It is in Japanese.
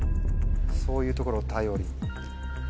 そういうところを頼りに。